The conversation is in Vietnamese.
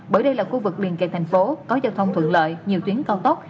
bởi đây là khu vực liền kề thành phố có giao thông thuận lợi nhiều tuyến cao tốc